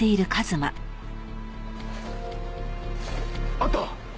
あった！